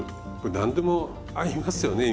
何でも合いますよね